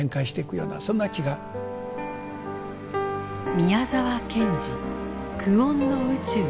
「宮沢賢治久遠の宇宙に生きる」。